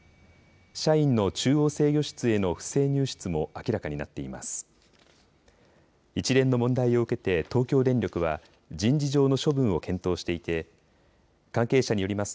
社員の中央制御室への不正入室も明らかになっています。